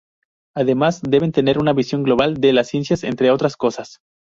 Además, deben tener una visión global de las ciencias, entre otras cosas.